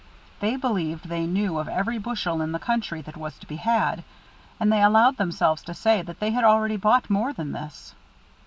They believed they knew of every bushel in the country that was to be had, and they allowed themselves to say that they had already bought more than this.